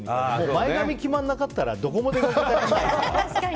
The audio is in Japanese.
前髪決まらなかったらどこにも行きたくない。